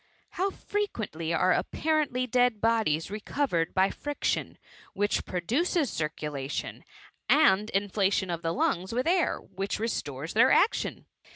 How frequently are apparently dead bodies recovered by friction, which produces circulation ; and inflation of the lungs with air, which restores their action.